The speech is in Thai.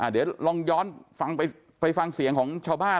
เดี๋ยวลองย้อนฟังไปฟังเสียงของชาวบ้าน